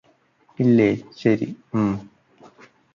ഇല്ലേ ശരി ഉം